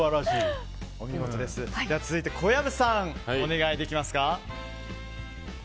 続いて、小籔さんお願いできますか。